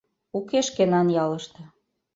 Уке шкенан ялыште.